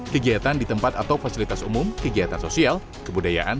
kegiatan di tempat atau fasilitas umum kegiatan sosial kebudayaan